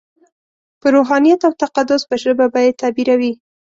په روحانیت او تقدس په ژبه به یې تعبیروي.